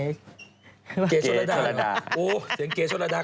เกเกจบละดาหรอโอ้โฮเสียงเกเฅจบละดา